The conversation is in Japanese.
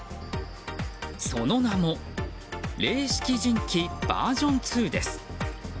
その名も零式人機バージョン２です。